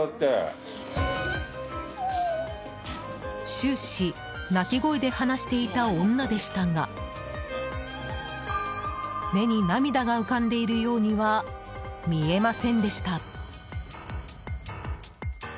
終始、泣き声で話していた女でしたが目に涙が浮かんでいるようには見えませんでした。